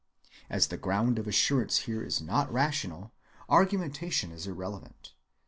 As the ground of assurance here is not rational, argumentation is irrelevant.